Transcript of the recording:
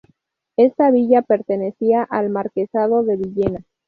Esta villa pertenecía al Marquesado de Villena.